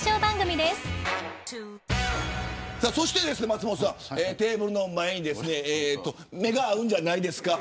松本さん、テーブルの前に目が合うんじゃないですか。